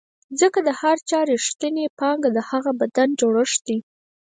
ځکه د هر چا رښتینې پانګه د هغه بدن جوړښت دی.